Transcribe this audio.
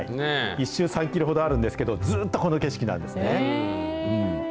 １周３キロほどあるんですけど、ずっとこの景色なんですね。